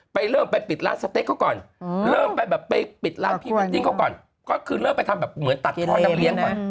ปรากฏหึงห่วงกันก็เริ่มไปทำอะไรก่อน